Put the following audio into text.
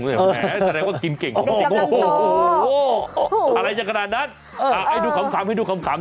เออ